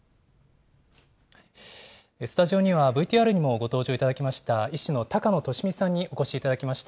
スタジオには、ＶＴＲにもご登場いただきました、医師の高野利実さんにお越しいただきました。